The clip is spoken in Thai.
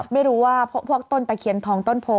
ไม่รู้ว่าพวกต้นตะเคียนทองต้นโพ